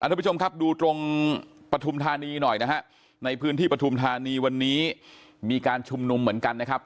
ทุกผู้ชมครับดูตรงปฐุมธานีหน่อยนะฮะในพื้นที่ปฐุมธานีวันนี้มีการชุมนุมเหมือนกันนะครับ